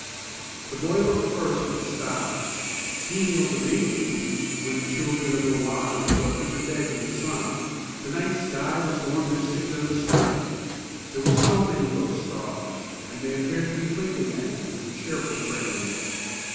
The boy looked first at the sky. Being of the baby age when the children of the wise are put to bed with the sun, the night sky was more mystic than the snow. There were so many of those stars, and they appeared to be twinkling at him with cheerful friendliness.